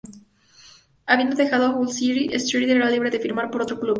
Habiendo dejado el Hull City, Stewart era libre de firmar por otro club.